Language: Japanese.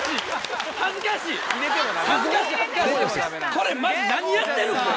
これマジ何やってるんですか！